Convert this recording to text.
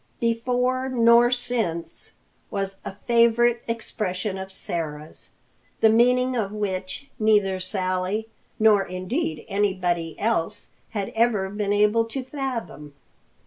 "Before nor since" was a favorite expression of Sarah's, the meaning of which neither Sally nor indeed anybody else had ever been able to fathom.